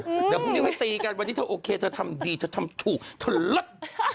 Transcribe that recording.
เดี๋ยวพรุ่งนี้ค่อยตีกันวันนี้เธอโอเคเธอทำดีเธอทำถูกเธอเลิศ